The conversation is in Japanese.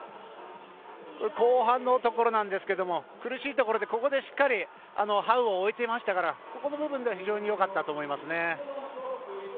後半のところなんですけど苦しいところでここでしっかりハウを追えていましたからここの部分では非常に良かったと思います。